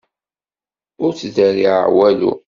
Ur ttderriɛeɣ walu.